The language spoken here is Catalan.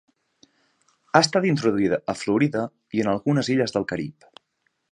Ha estat introduïda a Florida i en algunes illes del Carib.